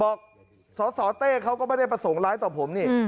สสเต้เขาก็ไม่ได้ประสงค์ร้ายต่อผมนี่